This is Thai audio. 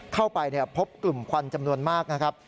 เข้าไปพบกลุ่มควันจำนวนมากนะครับ